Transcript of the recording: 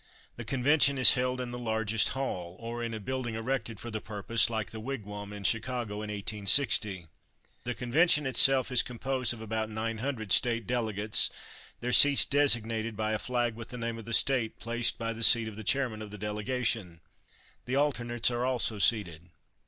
The convention is held in the largest hall, or in a building erected for the purpose, like the Wigwam in Chicago in 1860. The convention itself is composed of about nine hundred state delegates, their seats designated by a flag with the name of the state placed by the seat of the chairman of the delegation. The alternates are also seated.